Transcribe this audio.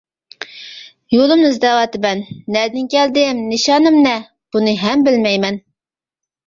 يولۇمنى ئىزدەۋاتىمەن، نەدىن كەلدىم نىشانىم نە؟ بۇنى ھەم بىلمەيمەن!